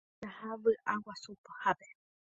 Ñasẽta jaha vy'aguasuhápe